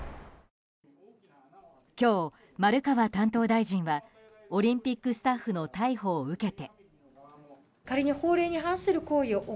今日、丸川担当大臣はオリンピックスタッフの逮捕を受けて。